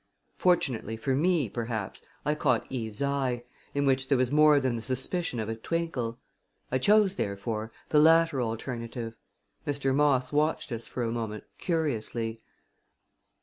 Fortunately for me, perhaps, I caught Eve's eye, in which there was more than the suspicion of a twinkle. I chose, therefore, the latter alternative. Mr. Moss watched us for a moment curiously.